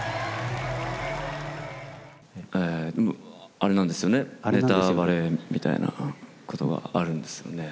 あれなんですよね、ネタバレみたいなことがあるんですよね。